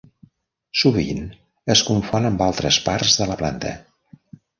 Sovint es confon amb altres parts de la planta.